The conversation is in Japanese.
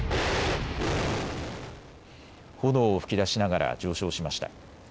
炎を噴き出しながら上昇しました。